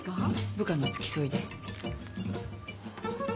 部下の付き添いで。